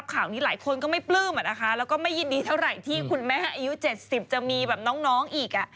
พี่ยังไม่ดีเท่าไหร่ที่คุณแม่อายุ๗๐จะมีน้องอีก